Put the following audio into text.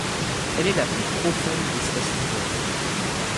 Elle est la plus profonde des stations du réseau.